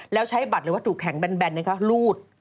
แล้วใช้บัตรหรือว่าถูกแข็งแบนนะคะลูด